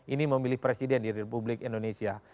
ini memilih presiden di republik indonesia